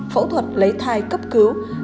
phẫu thuật lấy thai cấp cứu